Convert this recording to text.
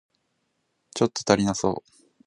ちょっと足りなそう